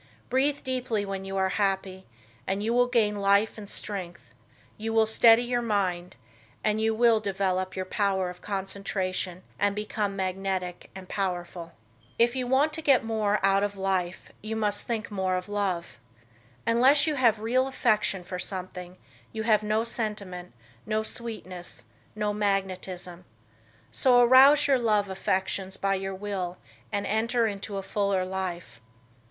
Breathe deeply when you are happy and you will gain life and strength; you will steady your mind and you will develop your power of concentration and become magnetic and powerful. If you want to get more out of life you must think more of love. Unless you have real affection for something, you have no sentiment, no sweetness, no magnetism. So arouse your love affections by your will and enter into a fuller life.